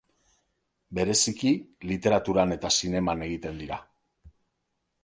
Bereziki literaturan eta zineman egiten dira.